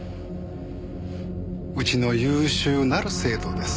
うちの優秀なる生徒です。